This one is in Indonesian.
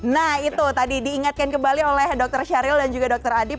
nah itu tadi diingatkan kembali oleh dr syahril dan juga dr adib